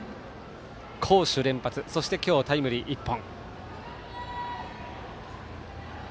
好守連発そして今日タイムリー１本。